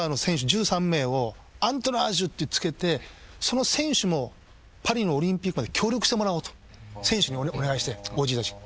１３名をアントラージュって付けてその選手もパリのオリンピックまで協力してもらおうと選手にお願いしてＯＧたち。